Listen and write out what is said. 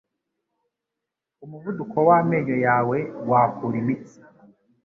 Umuvuduko w'amenyo yawe wakura imitsi